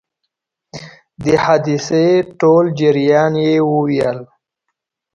د حادثې ټول جریان یې وویل.